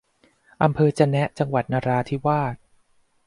อำเภอจะแนะ จังหวัดนราธิวาส